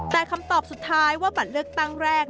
แต่คำตอบสุดท้ายว่าบัตรเลือกตั้งแรก